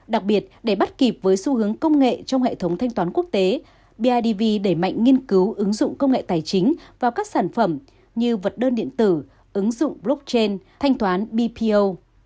đặc biệt để bắt kịp với xu hướng công nghệ trong hệ thống thanh toán quốc tế bidv đẩy mạnh nghiên cứu ứng dụng công nghệ tài chính vào các sản phẩm như vật đơn điện tử ứng dụng blockchain thanh toán bpo